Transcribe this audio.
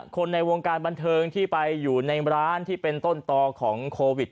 คนในวงการบันเทิงที่ไปอยู่ในร้านที่เป็นต้นต่อของโควิด